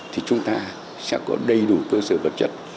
thì chúng ta sẽ có đầy đủ cơ sở vật chất